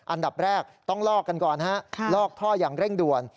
อันดับแรกต้องลอกกันก่อนฮะลอกท่ออย่างเร่งด่วน